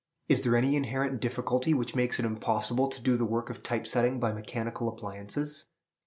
Is there any inherent difficulty which makes it impossible to do the work of type setting by mechanical appliances?